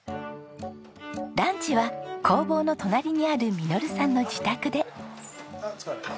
ランチは工房の隣にある實さんの自宅で。